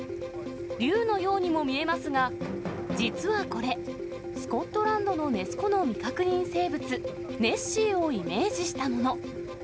竜のようにも見えますが、実はこれ、スコットランドのネス湖の未確認生物、ネッシーをイメージしたもの。